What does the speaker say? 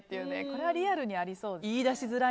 これはリアルにありそうですね。